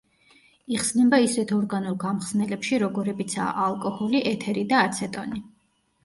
იხსნება ისეთ ორგანულ გამხსნელებში, როგორებიცაა ალკოჰოლი, ეთერი და აცეტონი.